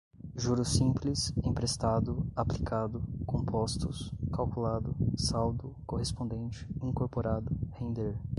juros simples, emprestado, aplicado, compostos, calculado, saldo, correspondente, incorporado, render